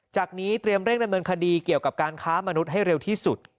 จากนี้เตรียมเร่งดำเนินคดีเกี่ยวกับการค้ามนุษย์ให้เร็วที่สุด